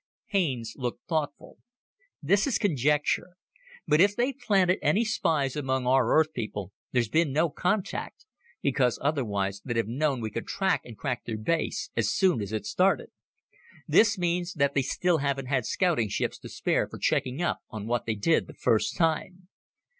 Haines looked thoughtful. "This is conjecture. But if they planted any spies among our Earth people, there's been no contact, because otherwise they'd have known we could track and crack their base as soon as it started. This means that they still haven't had scouting ships to spare for checking up on what they did the first time.